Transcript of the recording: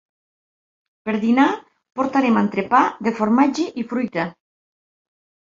Per dinar portarem entrepà de formatge i fruita.